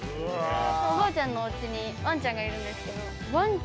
おばあちゃんのおうちにワンちゃんがいるんですけど。